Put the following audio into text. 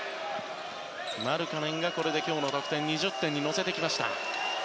マルカネンがこれで今日の得点を２０点に乗せてきた。